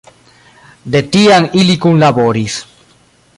De tiam ili kunlaboris.